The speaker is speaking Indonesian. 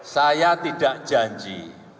saya tidak janji